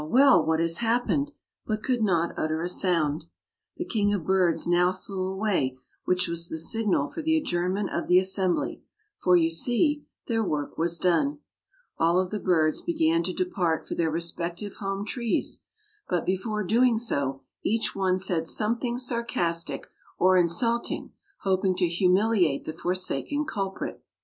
well! what has happened," but could not utter a sound. The king of birds now flew away, which was the signal for the adjournment of the assembly, for, you see, their work was done. All of the birds began to depart for their respective home trees, but before doing so each one said something sarcastic or insulting, hoping to humiliate the forsaken culprit.